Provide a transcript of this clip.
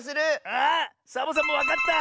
あサボさんもわかった！